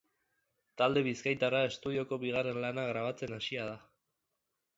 Talde bizkaitarra estudioko bigarren lana grabatzen hasia da.